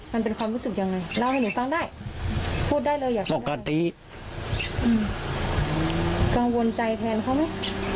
มันเป็นความรู้สึกยังไงเล่าให้หนูฟังได้